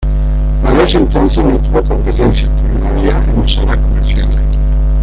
Para ese entonces, no tuvo competencia pues no había emisoras comerciales.